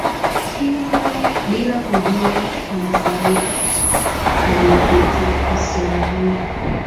Bila kujua masaibu aliyopitia msichana huyo